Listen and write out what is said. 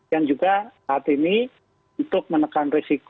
yang juga saat ini untuk menekan risiko